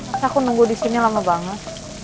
masa aku nunggu disini lama banget